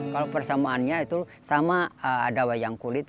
kalau persamaannya itu sama ada wayang kulit